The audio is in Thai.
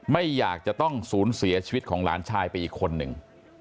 ไม่อยากจะต้องศูนย์เสียชีวิตของหลานชายไปอีกคนหนึ่ง